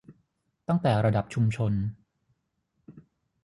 ตั้งแต่ระดับชุมชน